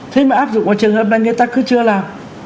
thế mà áp dụng vào trường hợp là người ta cứ chưa làm